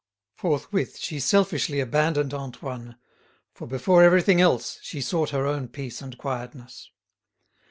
Forthwith she selfishly abandoned Antoine, for before everything else she sought her own peace and quietness.